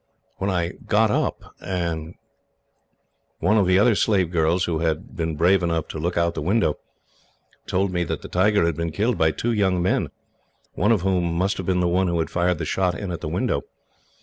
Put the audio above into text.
"When I got up, one of the other slave girls, who had been brave enough to look out of the window, told me that it had been killed by two young men, one of whom must have been the one who had fired the shot in at the window.